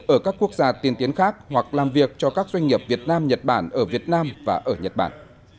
ở các quốc gia tiên tiến khác hoặc làm việc cho các doanh nghiệp việt nam nhật bản ở việt nam và ở nhật bản